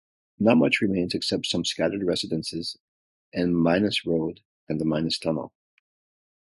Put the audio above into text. Not much remains except some scattered residences and Midas Road and the Midas Tunnel.